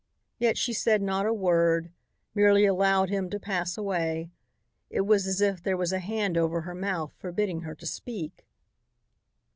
Yet she said not a word; merely allowed him to pass away. It was as if there was a hand over her mouth forbidding her to speak.